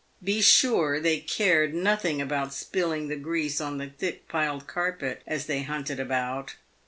Be sure they cared nothing about spilling the grease on the thick piled carpet as they hunted about.